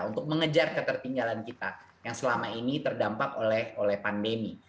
untuk mengejar ketertinggalan kita yang selama ini terdampak oleh pandemi